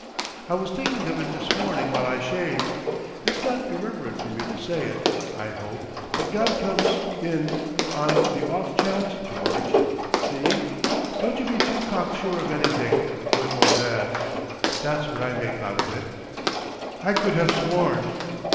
I was thinking of it this morning while I shaved. It's not irreverent for me to say it, I hope—but God comes in on the off chance, George. See? Don't you be too cocksure of anything, good or bad. That's what I make out of it. I could have sworn.